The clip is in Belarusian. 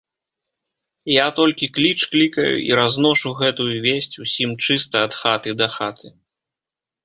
Я толькі кліч клікаю і разношу гэтую весць усім чыста ад хаты да хаты.